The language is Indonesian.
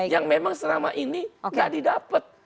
yang memang selama ini tidak didapat